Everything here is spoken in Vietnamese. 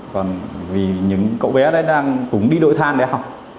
còn vì những cậu bé đấy đang cũng đi đội thang để học